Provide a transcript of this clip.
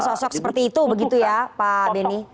sosok seperti itu begitu ya pak benny